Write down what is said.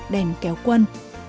đèn kéo quân